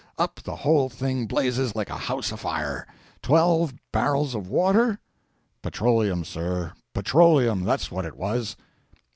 up the whole thing blazes like a house afire! Twelve barrels of water? Petroleum, sir, PETROLEUM! that's what it was!'